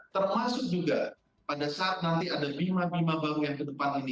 termasuk juga pada saat nanti ada bima bima baru yang kedepan ini